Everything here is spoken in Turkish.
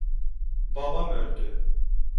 Babam öldü.